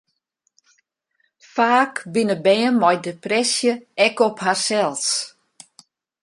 Faak binne bern mei depresje ek op harsels.